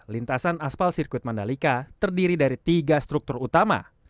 lintasan aspal sirkuit mandalika terdiri dari tiga struktur utama